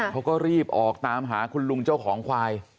เขาก็รีบออกตามหาคุณลุงเจ้าของควาย